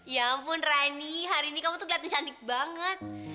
ya ampun rani hari ini kamu tuh kelihatannya cantik banget